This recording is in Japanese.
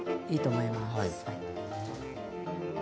いいと思います。